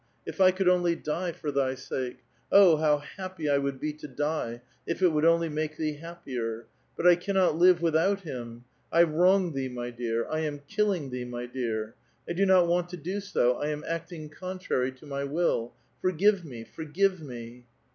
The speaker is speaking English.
If I could only die for thy sake ! Oh, how happy I would be to die, if it would only make thee happier I but I cannot live without him. I wrong thee, my dear ; 1 am killing thee, my dear.^ I do not want to do so ; I am acting contrary to my will. Forgive me ! forgive me